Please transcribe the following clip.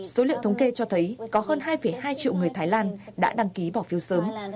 số liệu thống kê cho thấy có hơn hai hai triệu người thái lan đã đăng ký bỏ phiếu sớm